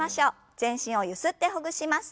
全身をゆすってほぐします。